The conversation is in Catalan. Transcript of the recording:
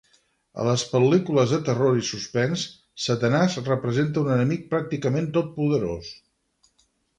A les pel·lícules de terror i suspens, Satanàs representa un enemic pràcticament totpoderós.